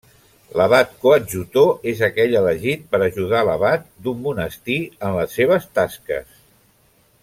L'abat coadjutor és aquell elegit per ajudar l'abat d'un monestir en les seves tasques.